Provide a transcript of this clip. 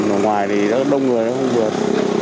ở ngoài thì đông người nó không vượt